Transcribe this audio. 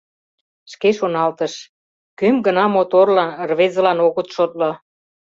Шке шоналтыш: кӧм гына моторлан, рвезылан огыт шотло!